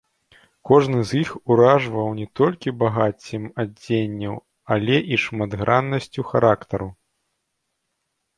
Кожны з іх уражваў не толькі багаццем адценняў, але і шматграннасцю характару.